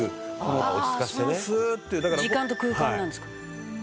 「ああその時間と空間なんですか」